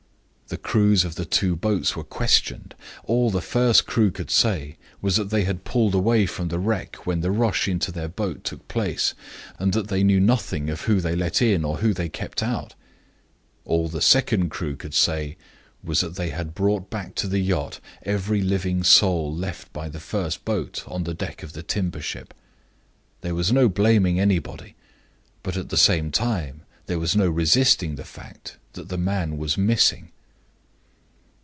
The crews of the two boats were questioned. All the first crew could say was that they had pulled away from the wreck when the rush into their boat took place, and that they knew nothing of whom they let in or whom they kept out. All the second crew could say was that they had brought back to the yacht every living soul left by the first boat on the deck of the timber ship. There was no blaming anybody; but, at the same time, there was no resisting the fact that the man was missing.